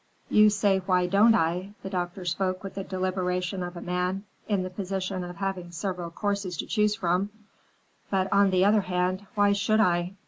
"You say why don't I," the doctor spoke with the deliberation of a man in the position of having several courses to choose from, "but, on the other hand, why should I?"